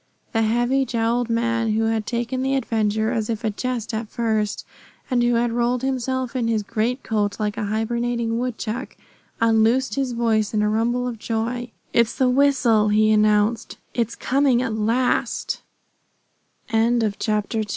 The heavy jowled man who had taken the adventure as a jest at first, and who had rolled himself in his great coat like a hibernating woodchuck, unloosed his voice in a rumble of joy. "It's the whistle!" he announced. "The damned thing's coming at last!"